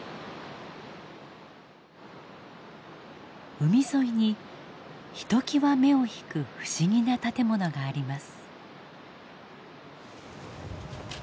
海沿いにひときわ目を引く不思議な建物があります。